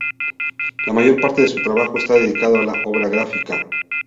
La mayor parte de su trabajo está dedicado a la obra gráfica.